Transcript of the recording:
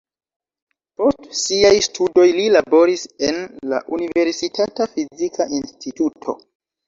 Post siaj studoj li laboris en la universitata fizika instituto.